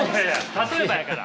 例えばやから！